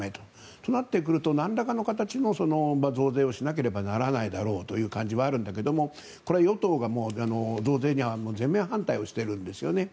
となってくるとなんらかの形の増税をしなければいけないだろうという感じはあるけれどもこれは与党が増税には全面反対しているんですね。